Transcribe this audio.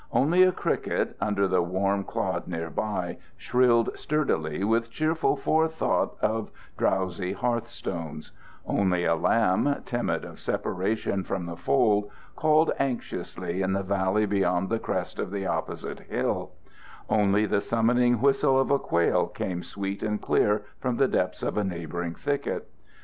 Only a cricket, under the warm clod near by, shrilled sturdily with cheerful forethought of drowsy hearth stones; only a lamb, timid of separation from the fold, called anxiously in the valley beyond the crest of the opposite hill; only the summoning whistle of a quail came sweet and clear from the depths of a neighboring thicket.